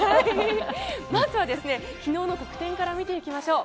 まずは昨日の得点から見ていきましょう。